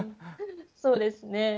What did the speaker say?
そうですね。